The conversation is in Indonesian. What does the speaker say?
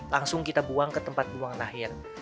langsung kita buang ke tempat buangan akhir